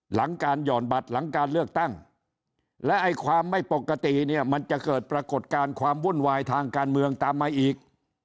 หลังการหย่อนบัตรหลังการเลือกตั้งและไอ้ความไม่ปกติเนี่ยมันจะเกิดปรากฏการณ์ความวุ่นวายทางการเมืองตามมาอีก